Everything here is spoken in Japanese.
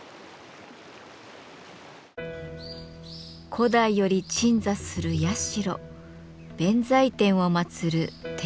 古代より鎮座する社弁財天を祭る天河神社です。